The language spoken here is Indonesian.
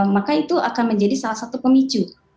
maka itu akan menjadi salah satu pemicu